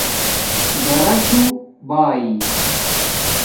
ڈاراشݸ بائ